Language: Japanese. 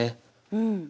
うん。